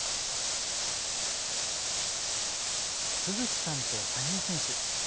都築さんと羽生選手。